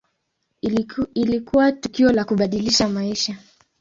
Ilikuwa tukio la kubadilisha maisha.